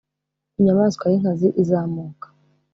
Inyamaswa y inkazi izamuka